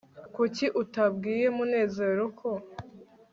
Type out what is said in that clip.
kuki utabwiye munezero ko